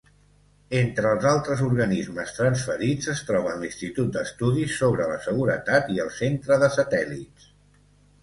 Entre els altres organismes transferits es troben l'Institut d'Estudis sobre la Seguretat i el Centre de Satèl·lits.